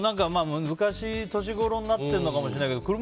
難しい年頃になってるのかもしれないけど。